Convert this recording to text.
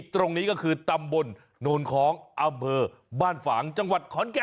ตรงนี้ก็คือตำบลโนนคล้องอำเภอบ้านฝางจังหวัดขอนแก่น